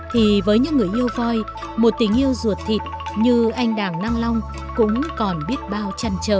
thì với những người yêu voi một tình yêu ruột thịt như anh đàng năng long cũng còn biết bao trăn trở